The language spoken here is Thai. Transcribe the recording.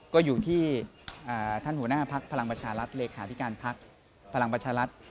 ก็อยู่ที่ท่านหัวหน้าพักพลังประชารัฐเลขาธิการพักพลังประชารัฐ